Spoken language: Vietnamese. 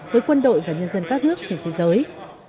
với quân đội và nhân dân các nước trên thế giới